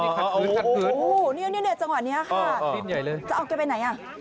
อ๋อคัดพื้นโอ้โฮนี่จังหวะนี้ค่ะจะเอาแกไปไหน